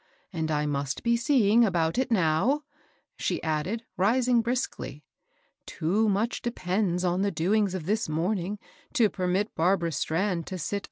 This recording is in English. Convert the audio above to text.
and I must be seeing about it now," she added, briskly rising, " Too much depends on the doings Qf this morning to permit Barbara Strand to «a5u 414 MABEL noes.